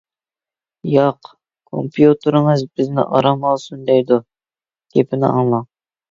ياق، كومپيۇتېرىڭىز بىزنى ئارام ئالسۇن دەيدۇ، گېپىنى ئاڭلاڭ.